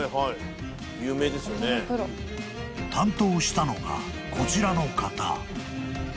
［担当したのがこちらの方］